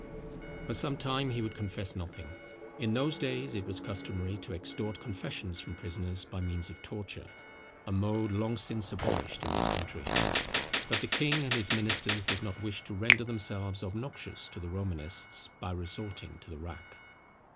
For some time he would confess nothing. In those days it was customary to extort confessions from prisoners, by means of torture, a mode long since abolished in this country; but the king and his ministers did not wish to render themselve obnoxious to the Romanists by resorting to the rack.